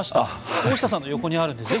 大下さんの横にあるんですね。